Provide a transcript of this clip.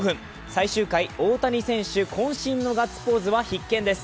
最終回、大谷選手のこん身のガッツポーズは必見です。